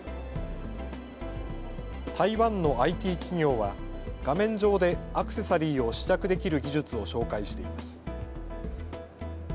台湾のＩＴ企業は画面上でアクセサリーを試着できる技術を紹介しています。